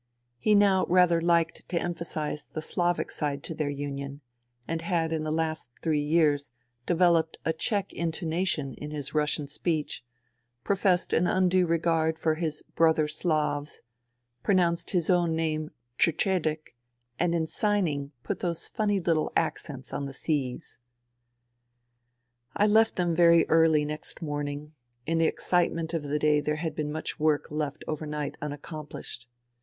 He now rather liked to emphasize the Slavic side to their union, had in the last three years developed a Czech intonation in his Russian speech, professed an undue regard for his " Brother Slavs,'* pronounced his own name " Chechedek," and in signing put those funny little accents on the C's. I left them very early next morning ; in the excitement of the day there had been much work left overnight unaccomplished.